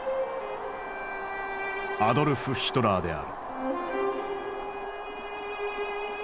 アドルフ・ヒトラーである。